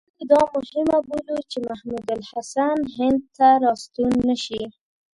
موږ دا مهمه بولو چې محمود الحسن هند ته را ستون نه شي.